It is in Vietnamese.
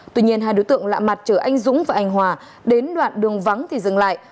tuy nhiên hai đối tượng lạ mặt chở anh dũng và anh hòa đến đoạn đường vắng thì dừng lại